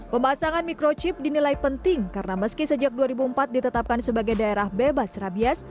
pemasangan microchip dinilai penting karena meski sejak dua ribu empat ditetapkan sebagai daerah bebas rabies